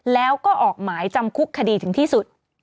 แล้วก็ออกหมายจำคุกคดีถึงที่สุด